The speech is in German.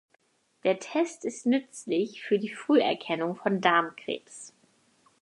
Der Test ist nützlich für die Früherkennung von Darmkrebs.